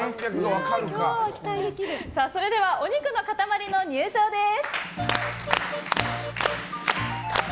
それではお肉の塊の入場です。